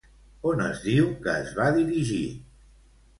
On es diu que es va dirigir?